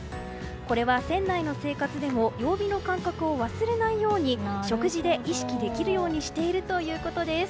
これは船内の生活でも曜日の感覚を忘れないように食事で意識できるようにしているということです。